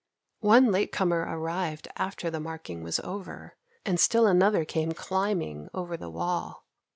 '" One late comer arrived after the marking was over, and still another came climbing over the wall.